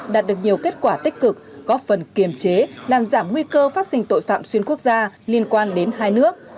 đạt được nhiều kết quả tích cực góp phần kiềm chế làm giảm nguy cơ phát sinh tội phạm xuyên quốc gia liên quan đến hai nước